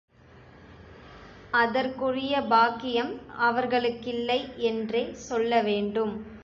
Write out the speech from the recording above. அதற்குரிய பாக்கியம் அவர்களுக்கில்லை என்றே சொல்லவேண்டும்.